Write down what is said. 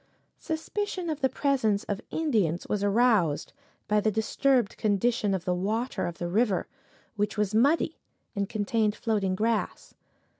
Suspicion of the presence of Indians was aroused by the disturbed condition of the water of the river, which was muddy and contained floating grass.